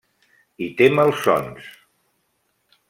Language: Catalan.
I té malsons.